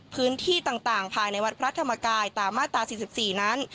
พื้นที่ต่างภายในวัดพระธรรมกายตามมาตรา๔๔นั้น